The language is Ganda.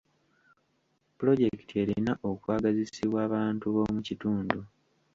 Pulojekiti erina okwagazisibwa bantu b'omu kitundu.